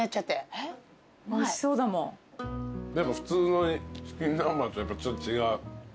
普通のチキン南蛮とやっぱちょっと違う。